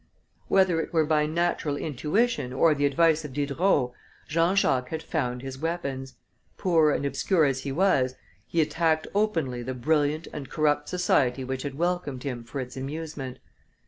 Whether it were by natural intuition or the advice of Diderot, Jean Jacques had found his weapons; poor and obscure as he was, he attacked openly the brilliant and corrupt society which had welcomed him for its amusement.